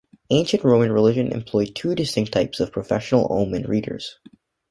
Ancient Roman religion employed two distinct types of professional omen readers.